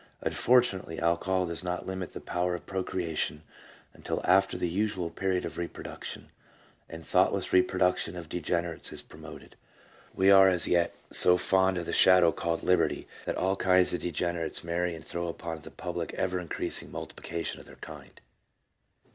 Unfortunately, alcohol does not limit the power of procreation until after the usual period for reproduction, and thoughtless reproduction of de generates is promoted. We are as yet so fond of the shadow called liberty, that all kinds of degenerates marry and throw upon the public ever increasing multiplication of their kind.